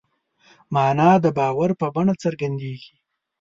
مانا د باور په بڼه څرګندېږي.